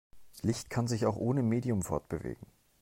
Licht kann sich auch ohne Medium fortbewegen.